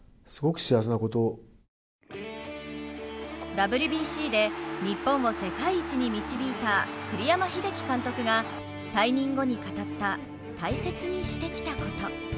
ＷＢＣで日本を世界一に導いた栗山英樹監督が、退任後に語った、大切にしてきたこと。